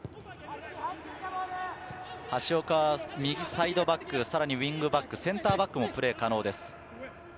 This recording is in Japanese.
橋岡は右サイドバックさらにウイングバック、センターバックもプレー可能です。